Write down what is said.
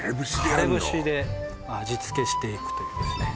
枯節で味付けしていくというですね